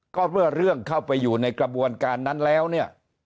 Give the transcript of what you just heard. ก็เมื่อเรื่องเข้าไปอยู่ในกระบวนการนั้นแล้วเนี่ย